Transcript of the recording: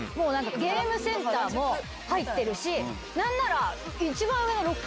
ゲームセンターも入ってるし何なら一番上は。